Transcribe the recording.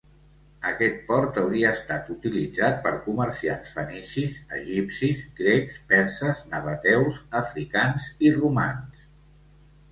Aquest port hauria estat utilitzat per comerciants fenicis, egipcis, grecs, perses, nabateus, africans i romans.